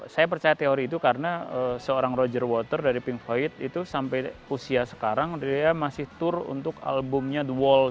saya percaya teori itu karena seorang roger water dari ping void itu sampai usia sekarang dia masih tour untuk albumnya the wall